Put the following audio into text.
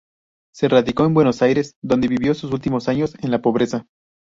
Se radicó en Buenos Aires, donde vivió sus últimos años en la pobreza.